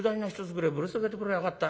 ぐれえぶら下げてくりゃよかった。